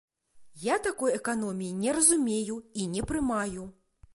Я такой эканоміі не разумею і не прымаю.